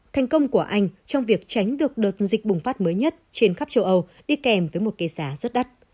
thành công của anh trong việc tránh được đợt dịch bùng phát mới nhất trên khắp châu âu đi kèm với một cái giá rất đắt